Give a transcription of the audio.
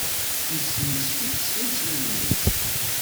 Yessenzef-itt s yimeslayen-is.